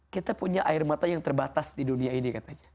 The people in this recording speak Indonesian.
kita punya air mata yang terbatas di dunia ini katanya